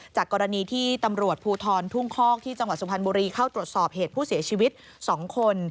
จากกรณีที่ตำรวจภูทรทุ่งคอกที่จังหวัดสุพรรณบุรีเข้าตรวจสอบเหตุผู้เสียชีวิต๒คน